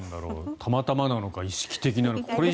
たまたまなのか意識的なのか。